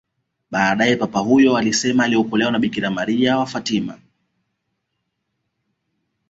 Baadae Papa huyo alisema aliokolewa na Bikira Maria wa Fatima